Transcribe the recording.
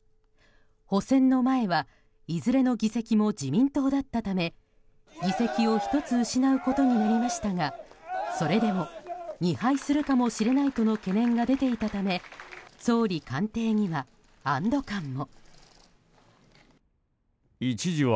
補選の前はいずれの議席も自民党だったため議席を１つ失うことになりましたがそれでも２敗するかもしれないとの懸念が出ていたため総理官邸には安堵感も。